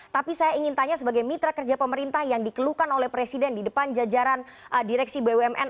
tapi saya ingin tanya sebagai mitra kerja pemerintah yang dikeluhkan oleh presiden di depan jajaran direksi bumn